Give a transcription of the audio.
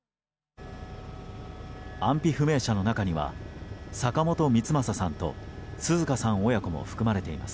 安否不明者の中には坂本光正さんと紗花さん親子も含まれています。